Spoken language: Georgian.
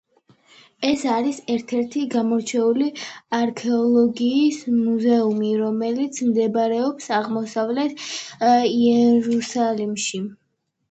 ეს არის ერთ-ერთი გამორჩეული არქეოლოგიის მუზეუმი, რომელიც მდებარეობს აღმოსავლეთ იერუსალიმში.